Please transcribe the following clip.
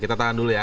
kita tahan dulu ya